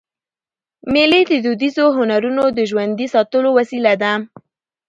مېلې د دودیزو هنرونو د ژوندي ساتلو وسیله ده.